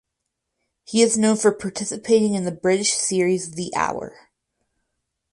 He is known for participating in the British series "The Hour".